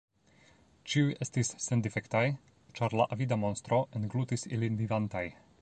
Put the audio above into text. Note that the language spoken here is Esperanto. Ĉiuj estis sendifektaj, ĉar la avida monstro englutis ilin vivantaj.